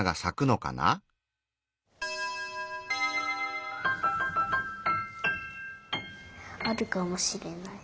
あるかもしれない。